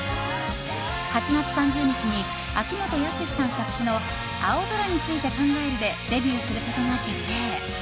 ８月３０日に秋元康さん作詞の「青空について考える」でデビューすることが決定。